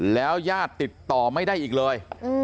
แล้วญาติติดต่อไม่ได้อีกเลย